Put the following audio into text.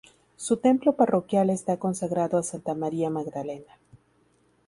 Su templo parroquial está consagrado a Santa María Magdalena.